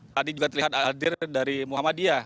tadi juga terlihat hadir dari muhammadiyah